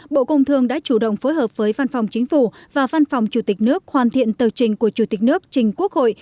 bộ công thương đã chủ động phối hợp với văn phòng chính phủ và văn phòng chủ tịch nước hoàn thiện tờ trình của chủ tịch nước trình quốc hội